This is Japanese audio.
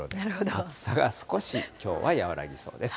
暑さが少しきょうは和らぎそうです。